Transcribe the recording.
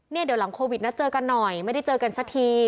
เดี๋ยวหลังโควิดนะเจอกันหน่อยไม่ได้เจอกันสักที